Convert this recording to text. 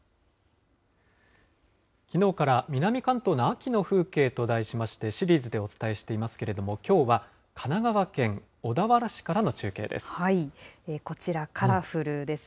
きのうから南関東の秋の風景と題しまして、シリーズでお伝えしていますけれども、きょうは神奈川県小田原市からの中継です。